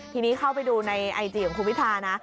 ทีนี้เข้าไปดูในไอจีของคุณพิธานะ